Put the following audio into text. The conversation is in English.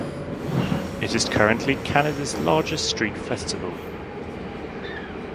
It is currently Canada's largest street festival.